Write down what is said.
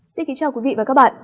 xin kính chào quý vị và các bạn